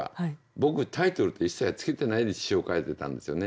僕タイトルって一切付けてないで詞を書いてたんですよね。